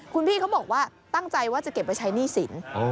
คุณพี่เขาบอกว่าตั้งใจว่าจะเก็บไว้ใช้หนี้สิน